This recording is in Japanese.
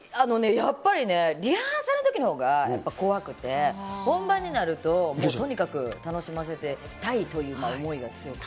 やっぱりね、リハーサルのときのほうがやっぱ怖くて、本番になると、もうとにかく楽しませたいという思いが強くて。